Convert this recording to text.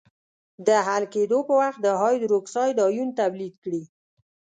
د حل کېدو په وخت د هایدروکساید آیون تولید کړي.